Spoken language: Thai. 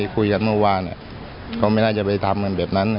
เขาไม่น่าจะไปทำกันแบบนั้น